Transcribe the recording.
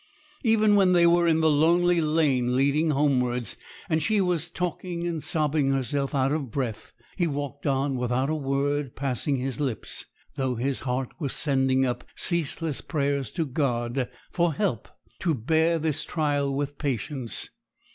Even when they were in the lonely lane leading homewards, and she was talking and sobbing herself out of breath, he walked on without a word passing his lips, though his heart was sending up ceaseless prayers to God for help to bear this trial with patience.